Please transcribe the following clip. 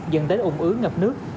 dẫn đến ủng ứ ngập nước